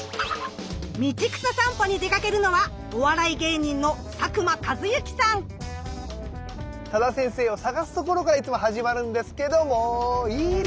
道草さんぽに出かけるのは多田先生を捜すところからいつも始まるんですけどもいる！